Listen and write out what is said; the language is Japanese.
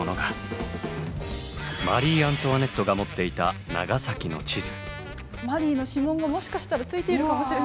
マリー・アントワネットが持っていた長崎の地図。